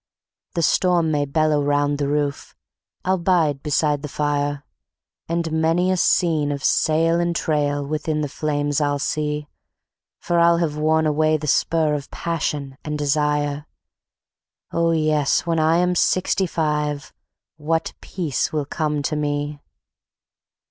The storm may bellow round the roof, I'll bide beside the fire, And many a scene of sail and trail within the flame I'll see; For I'll have worn away the spur of passion and desire. ... Oh yes, when I am Sixty five, what peace will come to me.